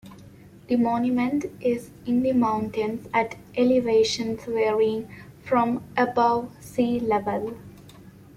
The monument is in the mountains at elevations varying from above sea level.